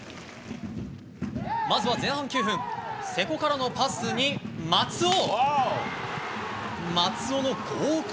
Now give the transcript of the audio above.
まずは前半９分瀬古からのパスに、松尾！